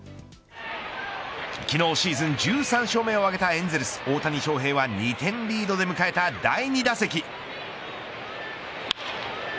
昨日シーズン１３勝目を挙げたエンゼルス、大谷翔平は２点リードで迎えた第２打席。